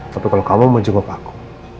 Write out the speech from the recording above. tapi kalau kamu mau jempol aku